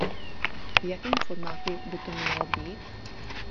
V jakém formátu by to mělo být?